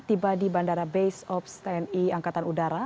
tiba di bandara base ops tni angkatan udara